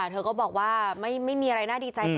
ที่ช่วยเหลือถ้าไม่ได้สำหรับกำลังงานที่ช่วยเหลือ